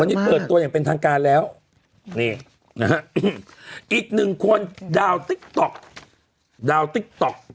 วันนี้เปิดตัวอย่างเป็นทางการแล้วอีกหนึ่งคนดาวด์ติ๊กต๊อก